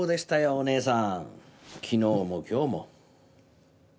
お姉さん昨日も今日も。